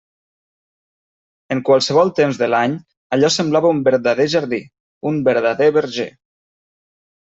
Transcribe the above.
En qualsevol temps de l'any allò semblava un verdader jardí, un verdader verger.